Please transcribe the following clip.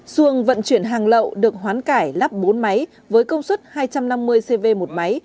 xuồng vận chuyển hàng lậu được hoán cải lắp bốn máy với công suất hai trăm năm mươi cv một máy